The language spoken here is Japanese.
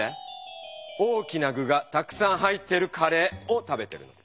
「大きな具がたくさん入ってるカレー」を食べてるの。